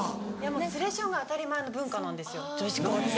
連れションが当たり前の文化なんですよ女子校って。